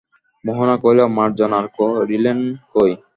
মোহন কহিল, মার্জনা আর করিলেন কই।